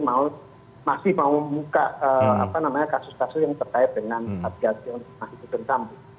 masih mau membuka kasus kasus yang terkait dengan satgas yang masih ditentang